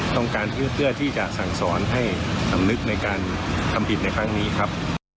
ต้องการเพื่อที่จะสั่งสอนให้สำนึกในการทำผิดในครั้งนี้ครับ